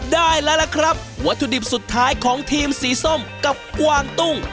ได้แล้วล่ะครับวัตถุดิบสุดท้ายของทีมสีส้มกับกวางตุ้ง